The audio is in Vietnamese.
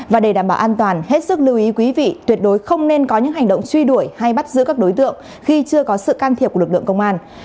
và để đảm bảo an toàn hết sức lưu ý quý vị tuyệt đối không nên có những hành động truy đuổi hay bắt giữ các đối tượng khi chưa có sự can thiệp của lực lượng công an